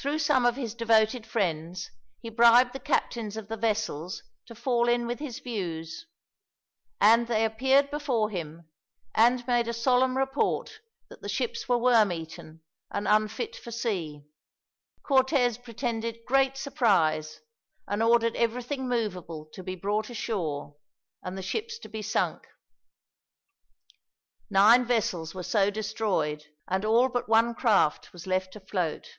Through some of his devoted friends he bribed the captains of the vessels to fall in with his views; and they appeared before him, and made a solemn report that the ships were worm eaten and unfit for sea. Cortez pretended great surprise, and ordered everything movable to be brought ashore, and the ships to be sunk. Nine vessels were so destroyed, and but one small craft was left afloat.